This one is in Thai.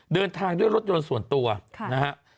เดินทางด้วยรถยนต์ส่วนตัวนะฮะ